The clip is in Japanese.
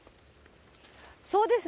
そうですね。